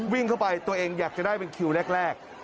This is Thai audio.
วิ่งเข้าไปตัวเองอยากจะได้เป็นคิวแรก